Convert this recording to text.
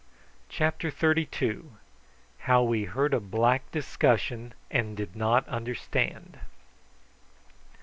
CHAPTER THIRTY TWO. HOW WE HEARD A BLACK DISCUSSION AND DID NOT UNDERSTAND.